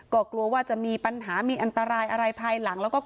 ก็กลัวว่าจะมีปัญหามีอันตรายอะไรภายหลังแล้วก็